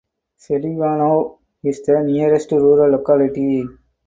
Selivanov is the nearest rural locality.